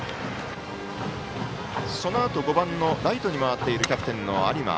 そのあと、５番のライトに回っているキャプテンの有馬。